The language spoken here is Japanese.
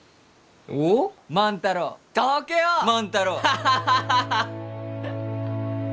ハハハハハ！